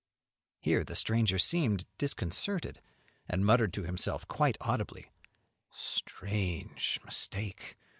Here the stranger seemed disconcerted, and muttered to himself quite audibly: "Strange mistake!